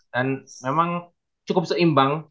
dan memang cukup seimbang